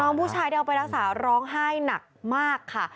ผู้ชายที่เอาไปรักษาร้องไห้หนักมากค่ะ